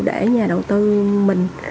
để nhà đầu tư mình